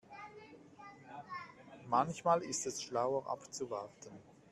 Manchmal ist es schlauer abzuwarten.